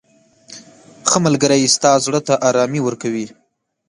• ښه ملګری ستا زړه ته ارامي ورکوي.